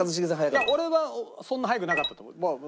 俺はそんな早くなかったと思う。